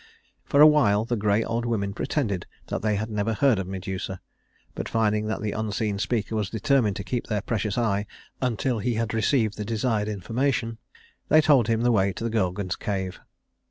For a while the Gray Old Women pretended that they had never heard of Medusa, but finding that the unseen speaker was determined to keep their precious eye until he had received the desired information, they told him the way to the Gorgon's Cave.